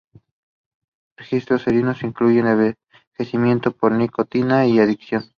Riesgos serios incluyen envenenamiento por nicotina y adicción.